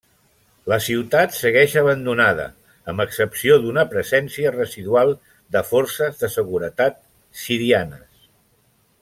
La ciutat segueix abandonada, amb excepció d'una presència residual de forces de seguretat sirianes.